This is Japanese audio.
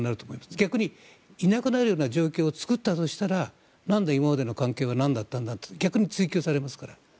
逆に、いなくなるような状況を作ったとしたら今までの関係は何だったんだって逆に追及されますから。